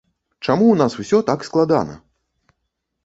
Чаму ў нас усё так складана?